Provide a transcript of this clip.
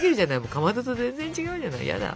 かまどと全然違うじゃないヤダ。